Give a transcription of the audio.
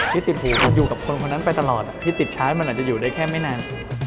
ที่ติดหูอยู่กับคนคนนั้นไปตลอดที่ติดใช้มันอาจจะอยู่ได้แค่ไม่นาน